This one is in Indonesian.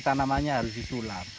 tanamannya harus disular